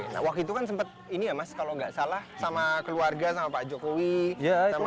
nah waktu itu kan sempat ini ya mas kalau nggak salah sama keluarga sama pak jokowi sama